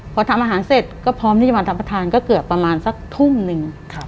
พอทำอาหารเสร็จก็พร้อมที่จะมาทำประทานก็เกือบประมาณสักทุ่มหนึ่ง